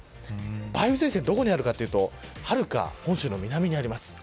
梅雨前線がどこにあるかというとはるか、本州の南にあります。